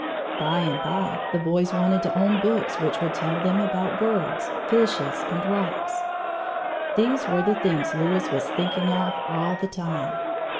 By and by the boys wanted to own books which would tell them about birds, fishes, and rocks. These were the things Louis was thinking of all the time.